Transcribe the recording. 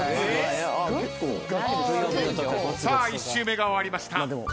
１周目が終わりました。